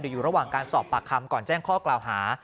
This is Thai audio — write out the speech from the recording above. อยู่ระหว่างการสอบปากคำก่อนแจ้งข้อกล่าวหา